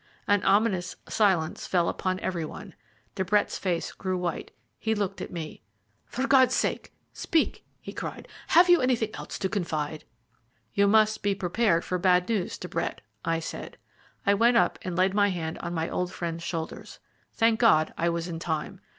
An ominous silence fell upon every one. De Brett's face grew white; he looked at me. "For God's sake, speak," he cried. "Have you anything else to confide?" "You must be prepared for bad news, De Brett," I said. I went up and laid my hand on my old friend's shoulder. "Thank God, I was in time.